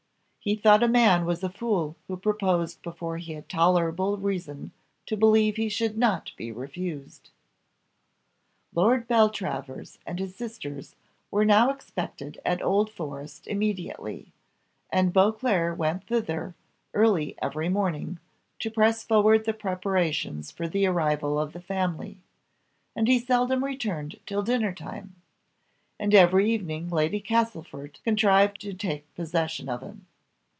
He thought a man was a fool who proposed before he had tolerable reason to believe he should not be refused. Lord Beltravers and his sisters were now expected at Old Forest immediately, and Beauclerc went thither early every morning, to press forward the preparations for the arrival of the family, and he seldom returned till dinner time; and every evening Lady Castlefort contrived to take possession of him.